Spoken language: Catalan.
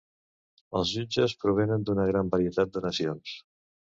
Els jutges provenen d'una gran varietat de nacions.